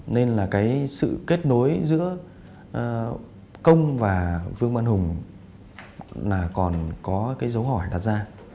nên là cái sự kết nối giữa công và vương văn hùng là còn có cái dấu hỏi đặt ra